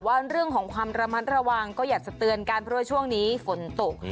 ว่าเรื่องของความระมัดระวังก็อยากจะเตือนกันเพราะว่าช่วงนี้ฝนตก